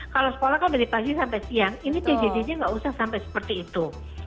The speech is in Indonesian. kalau sekolah kan dari pagi sampai siang ini pjj nya nggak usah sampai seperti itu